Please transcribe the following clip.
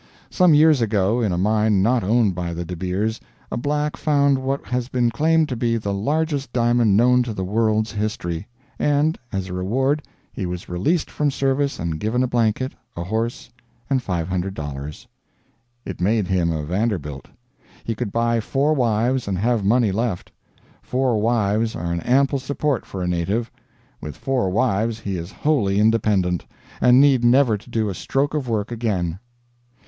Some years ago, in a mine not owned by the De Beers, a black found what has been claimed to be the largest diamond known to the world's history; and, as a reward he was released from service and given a blanket, a horse, and five hundred dollars. It made him a Vanderbilt. He could buy four wives, and have money left. Four wives are an ample support for a native. With four wives he is wholly independent, and need never do a stroke of work again.